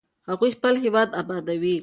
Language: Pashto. هغوی خپل هېواد ابادوي.